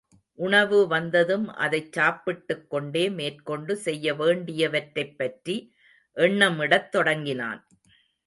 உணவு வந்ததும் அதைச் சாப்பிட்டுக் கொண்டே மேற்கொண்டு செய்ய வேண்டியவற்றைப்பற்றி எண்ணமிடத் தொடங்கினான்.